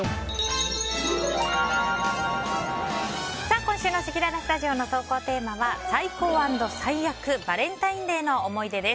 今週のせきららスタジオの投稿テーマは最高＆最悪バレンタインデーの思い出です。